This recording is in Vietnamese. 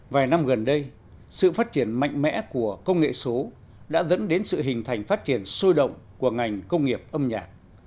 vài năm gần đây sự phát triển mạnh mẽ của công nghệ số đã dẫn đến sự hình thành phát triển sôi động của ngành công nghiệp âm nhạc